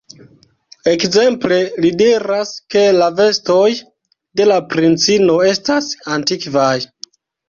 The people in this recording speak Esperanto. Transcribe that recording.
Ekzemple, li diras, ke la vestoj de la princino estas antikvaj.